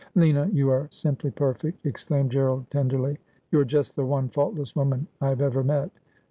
' Lnia, you are simply perfect !' exclaimed Gerald tenderly. 'You are just the one faultless woman I have ever met.